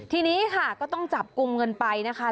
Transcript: ทีนี้ค่ะก็ต้องจับกลุ่มเงินไปนะคะ